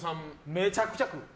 めちゃくちゃ食う。